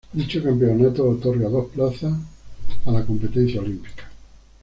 Dicho campeonato otorga dos plazas a la competencia olímpica.